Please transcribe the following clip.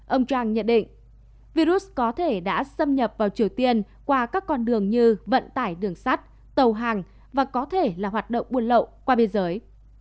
ông trump nhận định virus có thể đã xâm nhập vào triều tiên qua các con đường như vận tải đường sắt tàu hàng và có thể là hoạt động buôn lậu qua biên giới